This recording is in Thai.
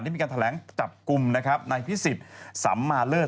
ที่มีการแถลงจับกลุ่มนะครับในภิสิษฐ์สำมาเลิศ